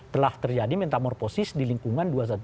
telah terjadi metamorfosis di lingkungan dua ratus dua belas